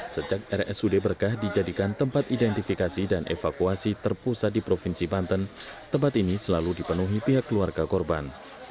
sejak rsud berkah dijadikan tempat identifikasi dan evakuasi terpusat di provinsi banten tempat ini selalu dipenuhi pihak keluarga korban